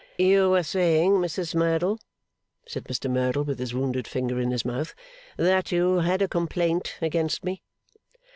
'You were saying, Mrs Merdle,' said Mr Merdle, with his wounded finger in his mouth, 'that you had a complaint against me?